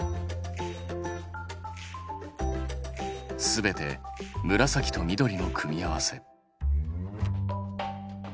すべて紫と緑の組み合わせ。